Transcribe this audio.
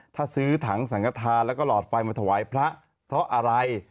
ถ้าซื้อถังสังกฐานแล้วก็หลอดไฟมาถวายพระเพราะอะไร